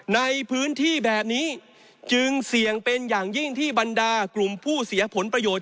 ในพื้นที่แบบนี้จึงเสี่ยงเป็นอย่างยิ่งที่บรรดากลุ่มผู้เสียผลประโยชน์